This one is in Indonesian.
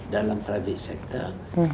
dalam sektor pribadi